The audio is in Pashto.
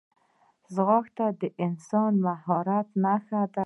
ځغاسته د انسان د مهارت نښه ده